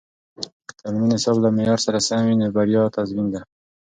که تعلیمي نصاب له معیار سره سم وي، نو بریا تضمین ده.